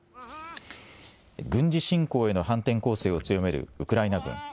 軍事侵攻への反転攻勢を強めるウクライナ軍。